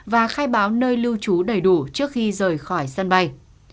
và khai báo nơi lưu trú đầy đủ trước khi rời khỏi sân bay